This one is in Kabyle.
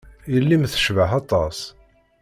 Yelli-m tecbeḥ aṭas.